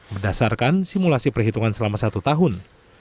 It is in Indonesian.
berdasarkan simulasi perhitungan selama satu tahun